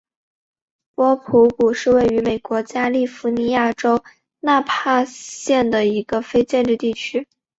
波普谷是位于美国加利福尼亚州纳帕县的一个非建制地区。